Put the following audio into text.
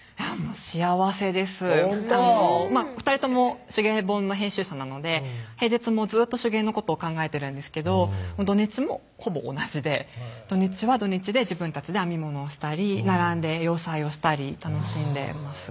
幸せです２人とも手芸本の編集者なので平日もずっと手芸のことを考えてるんですけど土日もほぼ同じで土日は土日で自分たちで編み物をしたり並んで洋裁をしたり楽しんでます